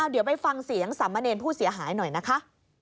เดี๋ยวไปฟังเสียงสามเณรผู้เสียหายหน่อยนะคะ